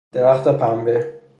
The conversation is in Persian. درخت پنبه